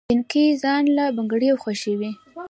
جينکۍ ځان له بنګړي خوښوي